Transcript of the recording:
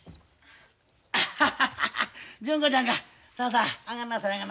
アハハハハ純子ちゃんか。